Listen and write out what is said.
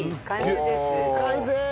完成！